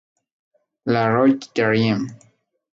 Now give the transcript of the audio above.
La Roche-Derrien